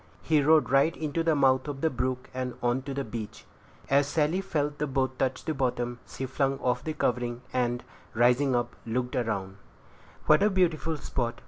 He rowed right into the mouth of the brook, and on to the beach. As Sally felt the boat touch the bottom, she flung off the covering, and, rising up, looked around her. "What a beautiful spot!"